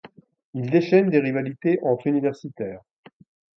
Il déchaîne des rivalités entre universitaires.